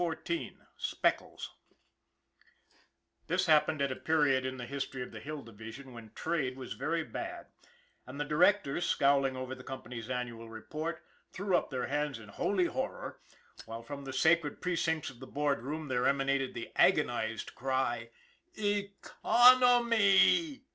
XIV SPECKLES THIS happened at a period in the history of the Hill Division when trade was very bad, and the directors, scowling over the company's annual report, threw up their hands in holy horror; while from the sacred precincts of the board room there emanated the agonized cry: " Economy